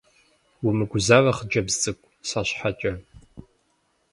Умыгузавэ, хъыджэбз цӀыкӀу, сэ щхьэкӀэ.